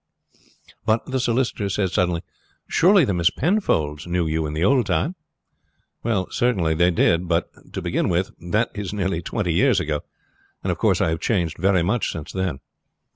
"But," the solicitor said suddenly, "surely the Miss Penfolds knew you in the old time?" "Certainly, they did. But, to begin with, that is nearly twenty years ago; and, of course, I have changed very much since then."